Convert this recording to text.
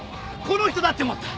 この人だって思った。